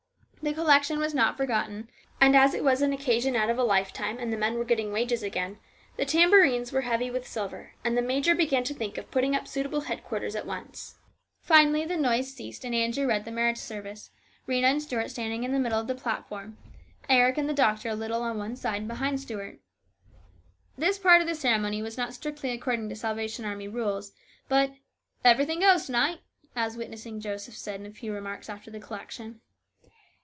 The collection was not forgotten, and as it was an occasion out of a lifetime, and the men were getting wages again, the tambourines were heavy with silver, and the major began to think of putting up suitable headquarters at once. Finally the noise ceased and Andrew read the marriage service, Rhena and Stuart standing in the middle of the platform, Eric and the doctor a little on one side and behind Stuart. This part of the ceremony was not strictly according to Salvation Army rules, but " everything goes to night," as " Witnessing Joseph " said in a few remarks after the collection.